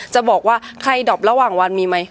จะบอกว่าใครดอบระหว่างวันมีไหม